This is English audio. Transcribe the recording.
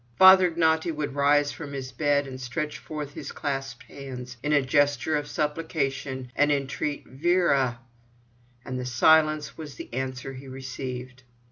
Father Ignaty would rise from his bed, and stretching forth his clasped hands in a gesture of supplication, entreat: "Vera!" And silence was the answer he received.